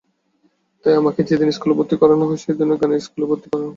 তাই আমাকে যেদিন স্কুলে ভর্তি করানো হয়, সেদিনই গানের স্কুলেও ভর্তি করান।